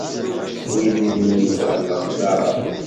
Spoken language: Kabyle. Wid i iyi-ibɣan lexsara.